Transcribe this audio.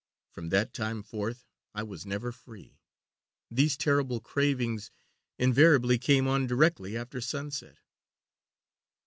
From that time forth I was never free these terrible cravings invariably came on directly after sunset."